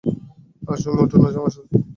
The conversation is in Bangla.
আসো মোটু, নাচো আমার সাথে।